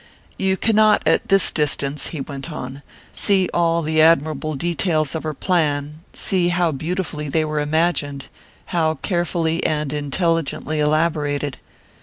"You cannot, at this distance," he went on, "see all the admirable details of her plan; see how beautifully they were imagined, how carefully and intelligently elaborated.